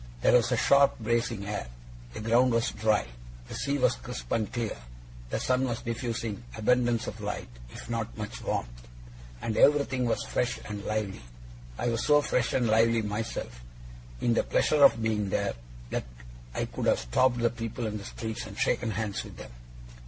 There was a sharp bracing air; the ground was dry; the sea was crisp and clear; the sun was diffusing abundance of light, if not much warmth; and everything was fresh and lively. I was so fresh and lively myself, in the pleasure of being there, that I could have stopped the people in the streets and shaken hands with them.